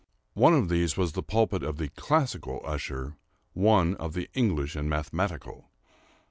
One of these was the pulpit of the "classical" usher, one of the "English and mathematical."